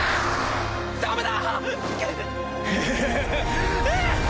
ダメだ！